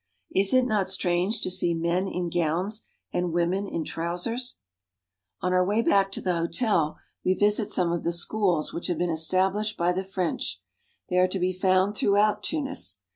Is it not strange to see men in gowns and women in trousers ? On our way back to the hotel we visit some of the schools which have been established by the French. They are to be found throughout Tunis.